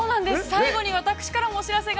最後に私からもお知らせが。